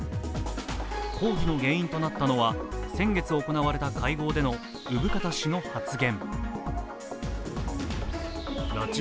抗議の原因となったのは、先月行われた会合での生方氏の発言。